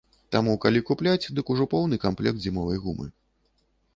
Таму, калі купляць, дык ужо поўны камплект зімовай гумы.